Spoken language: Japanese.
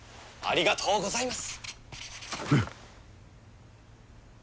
ありがとうございます。